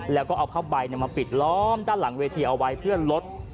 แล้วก็เอาผ้าใบมาปิดล้อมด้านหลังเวทีเอาไว้เพื่อลด